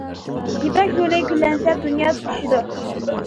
يىپەك يولى گۈللەنسە، دۇنيا تۇتىشىدۇ.